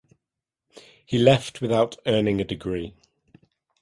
He left without earning a degree.